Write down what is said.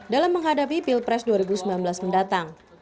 dalam menghadapi pilpres dua ribu sembilan belas mendatang